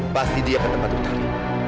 pasti dia ketempatan tari